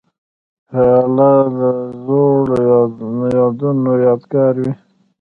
پیاله د زړو یادونو یادګار وي.